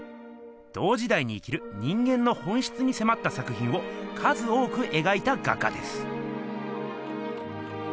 同時だいに生きる人間の本しつにせまった作品を数多くえがいた画家です。